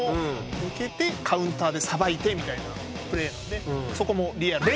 受けてカウンターでさばいてみたいなプレーなのでそこもリアル。